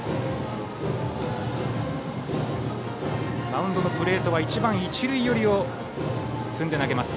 マウンドのプレートは一塁寄りを踏んで投げます。